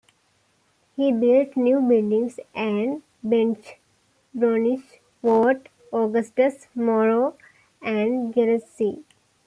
He built new buildings at Badenoch, Bornish, Fort Augustus, Morar and Glencoe.